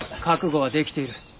覚悟はできている。